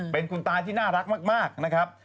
เป็นคุณตาที่น่ารักมากนะครับ